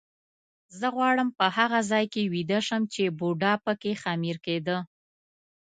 زه غواړم په هغه ځای کې ویده شم چې بوډا به پکې خمیر کېده.